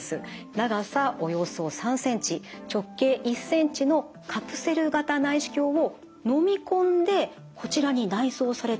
長さおよそ３センチ直径１センチのカプセル型内視鏡をのみ込んでこちらに内装されてます